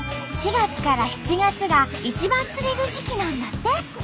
４月から７月が一番釣れる時期なんだって。